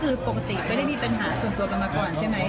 คือปกติไม่ได้มีปัญหาส่วนตัวกันมาก่อนใช่ไหม